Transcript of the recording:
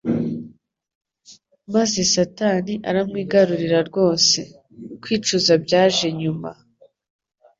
maze Satani aramwigarurira rwose. Kwicuza byaje nyuma.